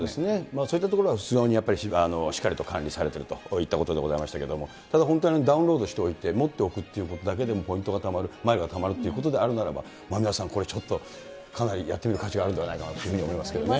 そういったところは非常にやっぱりしっかりと管理されてるといったことでございましたけれども、ただ、本当にダウンロードしておいて、持っておくというだけでもポイントがたまる、マイルがたまるっていうことであるならば、皆さん、ちょっとこれ、かなりやってみる価値はあるかなと思いますけどね。